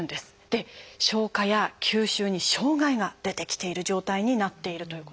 で消化や吸収に障害が出てきている状態になっているということなんです。